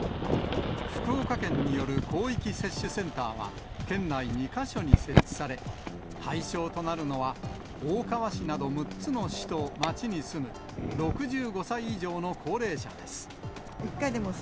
福岡県による広域接種センターは、県内２か所に設置され、対象となるのは、大川市など６つの市と町に住む６５歳以上の高齢者です。